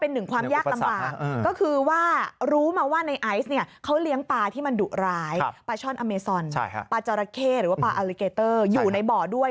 ปลาเข้หรือว่าปลาอัลลิเกเตอร์อยู่ในบ่อด้วย